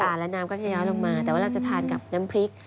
แล้วน้ำก็จะย้อยลงมาแต่ว่าเราจะทานกับน้ำพริก